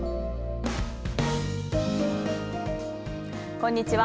こんにちは。